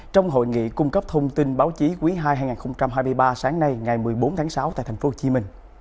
trong hội nghị cung cấp thông tin báo chí quý ii hai nghìn hai mươi ba sáng nay ngày một mươi bốn tháng sáu tại tp hcm